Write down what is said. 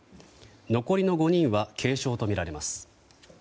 残りの５人は軽傷とみられます。